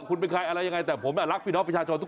ก็คือเสียงหมัดธนายก